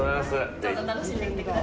どうぞ、楽しんできてください。